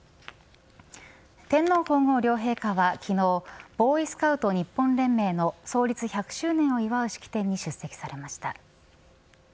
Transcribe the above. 天皇皇后両陛下は昨日ボーイスカウト日本連盟の創立１００周年を祝う式典に出席されました。